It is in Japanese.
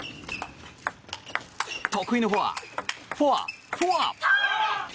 得意のフォア、フォア、フォア！